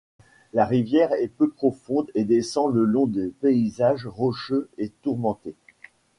La rivière est peu profonde et descend le long de paysages rocheux et tourmentés.